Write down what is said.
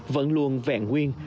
vẫn luôn vẹn nguyên